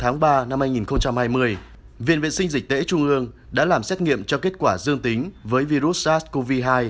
ngày ba hai nghìn hai mươi viện vệ sinh dịch tễ trung ương đã làm xét nghiệm cho kết quả dương tính với virus sars cov hai